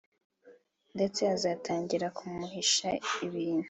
ndetse azatangira kumuhisha ibintu